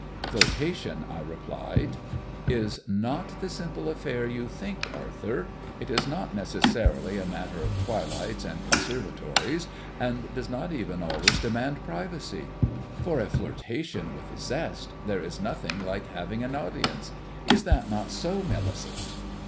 "Flirtation," I replied, "is not the simple affair you think, Arthur. It is not necessarily a matter of twilights and conservatories, and does not even always demand privacy. For a flirtation with zest there is nothing like having an audience. Is that not so, Millicent?"